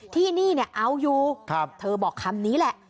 ที่นี่เอาอยู่เธอบอกคำนี้แหละ